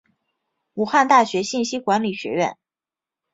武汉大学信息管理学院